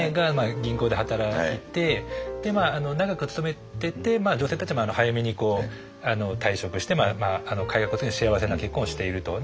銀行で働いて長く勤めてて女性たちも早めに退職してかようなことに幸せな結婚をしていると。